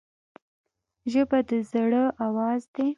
ژبه د زړه آواز دی